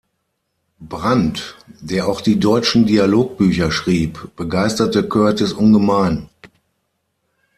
Brandt, der auch die deutschen Dialogbücher schrieb, begeisterte Curtis ungemein.